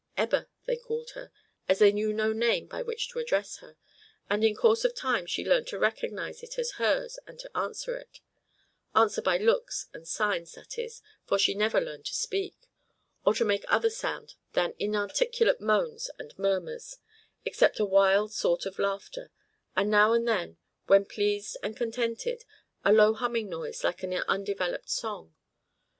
"Ebba," they called her, as they knew no name by which to address her, and in course of time she learned to recognize it as hers and to answer to it, answer by looks and signs, that is, for she never learned to speak, or to make other sound than inarticulate moans and murmurs, except a wild sort of laughter, and now and then, when pleased and contented, a low humming noise like an undeveloped song.